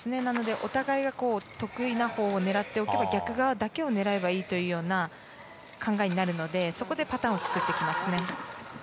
お互いが得意なほうを狙っておけば逆側だけを狙えばいいという考えになるのでそこでパターンを作ってきます。